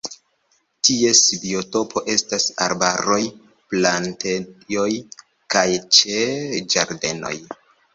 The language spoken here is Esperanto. Ties biotopo estas arbaroj, plantejoj kaj ĉe ĝardenoj.